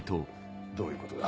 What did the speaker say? どういうことだ。